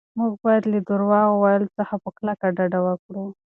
موږ باید له درواغ ویلو څخه په کلکه ډډه وکړو.